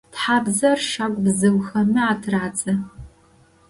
Тхьабзэр щагу бзыухэми атырадзэ.